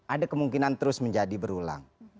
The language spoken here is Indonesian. ada kemungkinan terus menjadi berulang